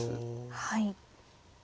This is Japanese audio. はい。